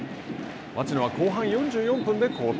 町野は、後半４４分で交代。